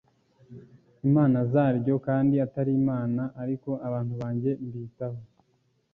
Imana zaryo kandi atari imana ariko abantu banjye mbitaho